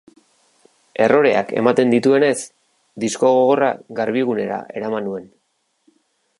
Erroreak ematen zituenez, disko gogorra Garbigunera eraman nuen.